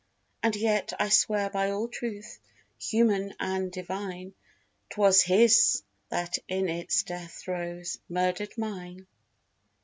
And yet I swear by all truth human and divine 'Twas his that in its death throes murdered mine.